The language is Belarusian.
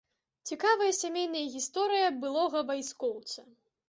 Цікавая сямейная гісторыя былога вайскоўца.